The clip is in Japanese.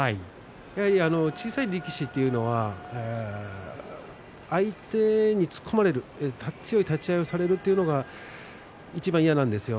やはり小さい力士というのは相手に突っ込まれる強い立ち合いをされるというのがいちばん嫌なんですよ。